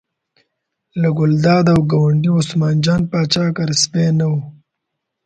له ګلداد او ګاونډي عثمان جان پاچا کره سپی نه و.